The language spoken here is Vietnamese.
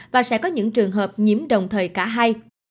và sẽ có những trường hợp nhiễm đồng thời cả hai